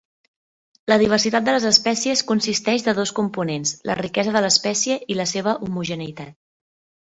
La diversitat de les espècies consisteix de dos components: la riquesa de l'espècie i la seva homogeneïtat.